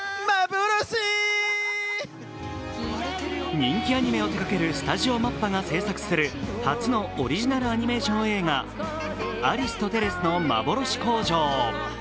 人気アニメを手がけるスタジオＭＡＰＰＡが制作する初のオリジナルアニメーション映画「アリスとテレスのまぼろし工場」。